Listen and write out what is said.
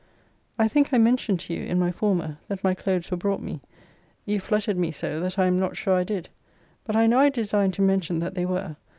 I think I mentioned to you, in my former, that my clothes were brought me. You fluttered me so, that I am not sure I did. But I know I designed to mention that they were.